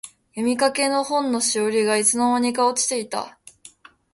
読みかけの本のしおりが、いつの間にか落ちていた。